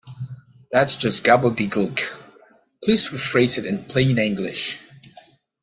That’s just gobbledegook! Please rephrase it in plain English